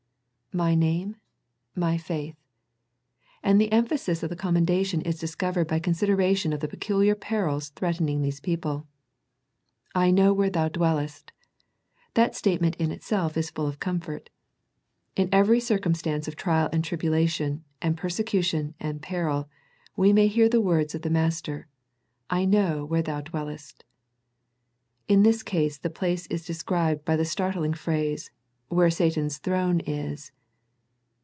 " My name, My faith." And the emphasis of the com mendation is discovered by consideration of the pecuHar perils threatening these people. " I know where thou dwellest." That state ment in itself is full of comfort. In every circumstance of trial and tribulation and perse cution and peril, we may hear the words of the Master, " I know where thou dwellest." In this case the place is described by the startling phrase, " Where Satan's throne is."